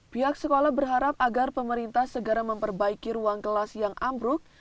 pihak sekolah berharap agar pemerintah segera memperbaiki ruang kelas yang ambruk